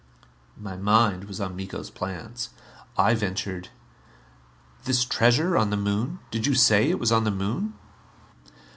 My mind was on Miko's plans. I ventured, "This treasure on the Moon did you say it was on the Moon?"